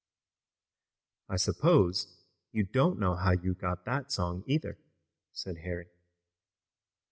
"I suppose you don't know how you got that song, either," said Harry.